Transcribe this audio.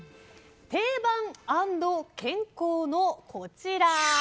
定番＆健康のこちら。